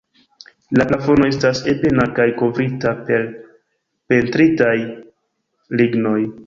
La plafono estas ebena kaj kovrita per pentritaj lignoj.